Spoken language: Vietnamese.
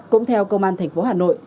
cũng theo công an thành phố hà nội